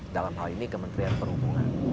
dalam hal ini kementerian perhubungan